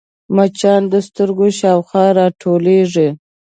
مچان د سترګو شاوخوا راټولېږي